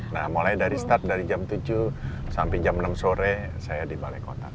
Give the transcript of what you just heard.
nah mulai dari start dari jam tujuh sampai jam enam sore saya di balai kota